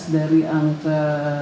enam belas dari angka